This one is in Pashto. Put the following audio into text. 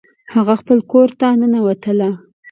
هغه خپل کور ته ننوتله